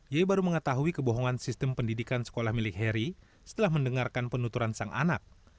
ia baru mengetahui kebohongan sistem pendidikan sekolah milik heri setelah mendengarkan penuturan sang anak